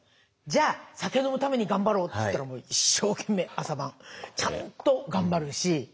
「じゃあ酒飲むために頑張ろう」って言ったら一生懸命朝晩ちゃんと頑張るし。